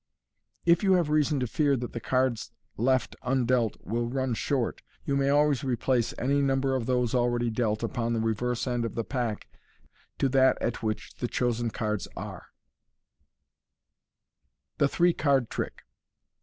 If you have reason to fear that the cards left undealt will run short, you may always replace any number of those already dealt upon the reverse end of the pack to that at which the chosen cards are. MODERN MAGIC. Thb " Three Card m Trick.